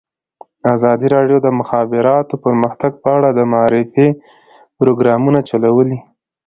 ازادي راډیو د د مخابراتو پرمختګ په اړه د معارفې پروګرامونه چلولي.